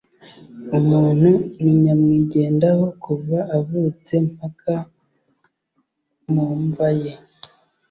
umuntu ni nyamwigendaho kuva avutse mpaka mumva ye